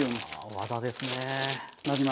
技ですね。